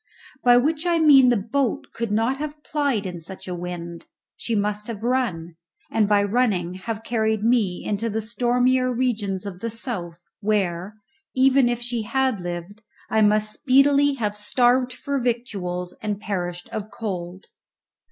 By which I mean the boat could not have plyed in such a wind; she must have run, and by running have carried me into the stormier regions of the south, where, even if she had lived, I must speedily have starved for victuals and perished of cold.